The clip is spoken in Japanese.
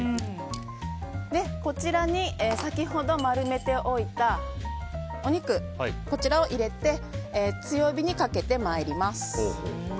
こちらに先ほど丸めておいたお肉を入れて強火にかけてまいります。